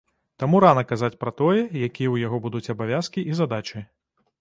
Таму рана казаць пра тое, якія ў яго будуць абавязкі і задачы.